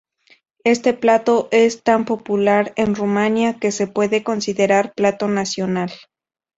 Este plato es tan popular en Rumania que se puede considerar plato nacional.